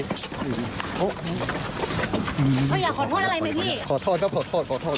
อยากขอโทษอะไรไหมพี่